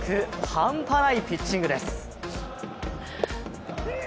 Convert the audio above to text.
半端ないピッチングです。